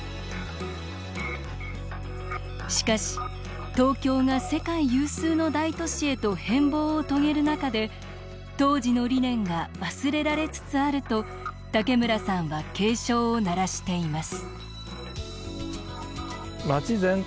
しかし、東京が世界有数の大都市へと変貌を遂げる中で当時の理念が忘れられつつあると武村さんは警鐘を鳴らしています。